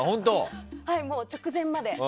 直前まで。